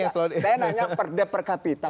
saya nanya perda per kapita